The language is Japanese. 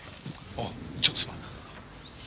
おうちょっとすまんな。